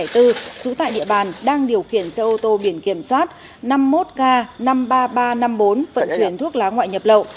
trú tại địa bàn đang điều khiển xe ô tô biển kiểm soát năm mươi một k năm mươi ba nghìn ba trăm năm mươi bốn vận chuyển thuốc lá ngoại nhập lậu